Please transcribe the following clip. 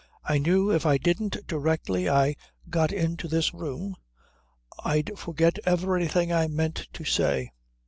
I knew if I didn't directly I got into this room I'd forget everything I meant to say.